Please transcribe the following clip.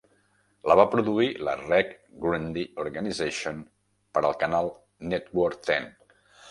La va produir la Reg Grundy Organisation per al canal Network Ten.